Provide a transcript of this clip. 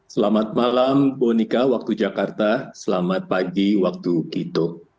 selamat malam bonika waktu jakarta selamat pagi waktu kito